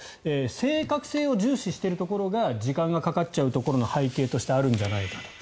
正確性を重視しているところが時間がかかっちゃうところの背景としてあるんじゃないか。